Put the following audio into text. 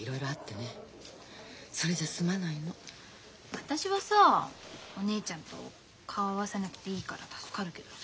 私はさお姉ちゃんと顔合わせなくていいから助かるけどさ。